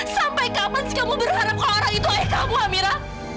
sampai kapan kamu berharap orang itu ayah kamu amira